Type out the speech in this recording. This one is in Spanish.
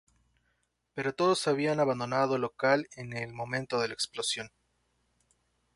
Pero todos habían abandonado el local en el momento de la explosión.